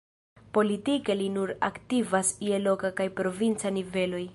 Politike li nur aktivas je loka kaj provinca niveloj.